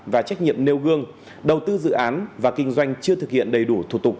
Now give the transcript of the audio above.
và trách nhiệm nêu gương đầu tư dự án và kinh doanh chưa thực hiện đầy đủ thủ tục